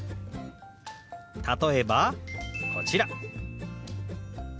例えばこちら。